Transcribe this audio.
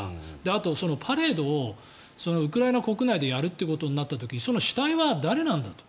あと、パレードをウクライナ国内でやるということになった時その主体は誰なんだと。